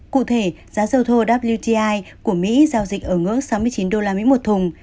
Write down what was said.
cụ thể giá dầu thô của mỹ giao dịch ở ngưỡng sáu mươi chín usd một thùng